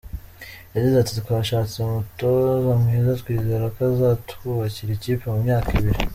Yagize ati ”Twashatse umutoza mwiza twizera ko azatwubakira ikipe mu myaka ibiri.